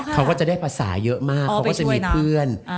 เขาก็จะได้ภาษาเยอะมากเขาก็จะมีเพื่อน